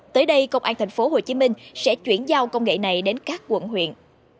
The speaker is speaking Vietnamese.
tới đây công an tp hcm sẽ chuyển giao công nghệ này đến các quận huyện